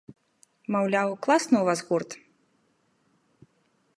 Маўляў, класны ў вас гурт?